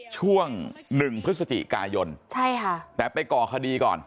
ช่วง๑พฤศจิกายนแต่ไปก่อคดีก่อน